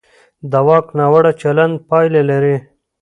د واک ناوړه چلند پایله لري